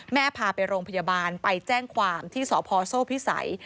พาไปโรงพยาบาลไปแจ้งความที่สพโซ่พิสัย